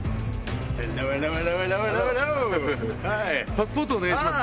パスポートお願いします。